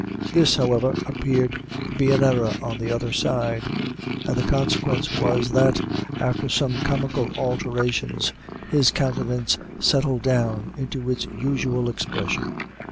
This, however, appeared to be an error on the other side; and the consequence was, that, after some comical alterations, his countenance settled down into its usual expression.